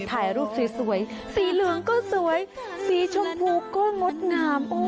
ถ่ายรูปสวยสีเหลืองก็สวยสีชมพูก็งดงาม